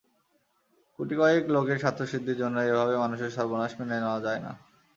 গুটিকয়েক লোকের স্বার্থসিদ্ধির জন্য এভাবে মানুষের সর্বনাশ মেনে নেওয়া যায় না।